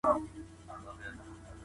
خوب د بدن پیغامونو ته ځواب دی.